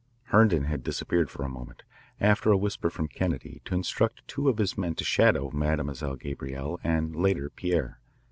Herndon had disappeared for a moment, after a whisper from Kennedy, to instruct two of his men to shadow Mademoiselle Gabrielle and, later, Pierre.